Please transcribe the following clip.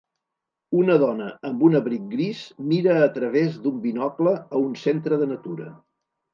Una dona amb un abric gris mira a través d'un binocle a un centre de natura.